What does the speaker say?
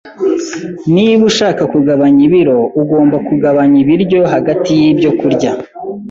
Niba ushaka kugabanya ibiro, ugomba kugabanya ibiryo hagati yibyo kurya.